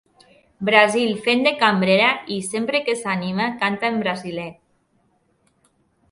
Brasil fent de cambrera i sempre que s'anima canta en brasiler.